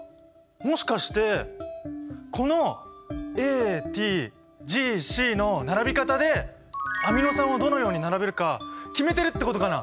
もしかしてこのＡＴＧＣの並び方でアミノ酸をどのように並べるか決めてるってことかな？